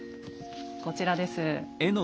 こちらです。